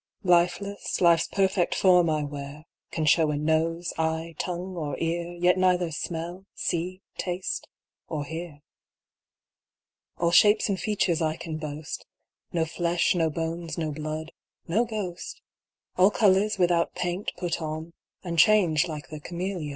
Lifeless, life's perfect form I wear, Can show a nose, eye, tongue, or ear, Yet neither smell, see, taste, or hear. All shapes and features I can boast, No flesh, no bones, no blood no ghost: All colours, without paint, put on, And change like the cameleon.